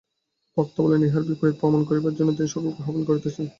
বক্তা বলেন, ইহার বিপরীত প্রমাণ করিবার জন্য তিনি সকলকে আহ্বান করিতেছেন।